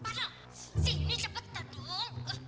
pada sini cepetan dong